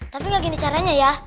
tapi gak gini caranya ya